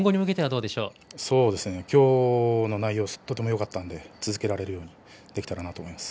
そうですね今日の内容がとてもよかったので続けられるようにできたらなと思います。